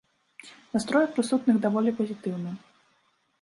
Настрой у прысутных даволі пазітыўны.